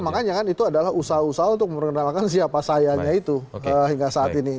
makanya kan itu adalah usaha usaha untuk memperkenalkan siapa sayanya itu hingga saat ini